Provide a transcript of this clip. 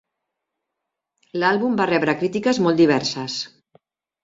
L'àlbum va rebre crítiques molt diverses.